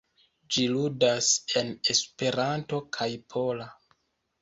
Ĝi ludas en Esperanto kaj la pola.